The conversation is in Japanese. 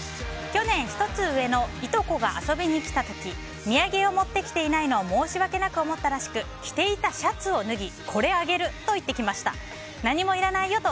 去年１つ上のいとこが遊びに来た時土産を持ってきていないのを申し訳なく思ったらしく着ていたシャツを脱ぎ